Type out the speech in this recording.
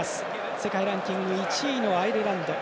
世界ランキング１位のアイルランド。